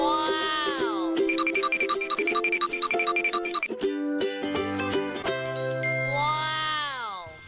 ว้าว